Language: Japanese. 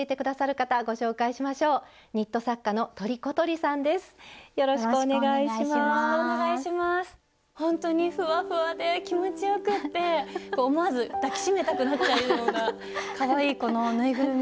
ほんとにふわふわで気持ちよくって思わず抱き締めたくなっちゃうようなかわいいこのぬいぐるみ